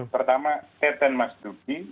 pertama teten mas duki